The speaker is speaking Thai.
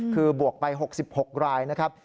คือบวกไป๖๖รายนะครับ